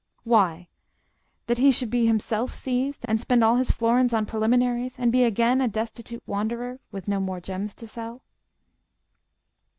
Why, that he should be himself seized, and spend all his florins on preliminaries, and be again a destitute wanderer—with no more gems to sell.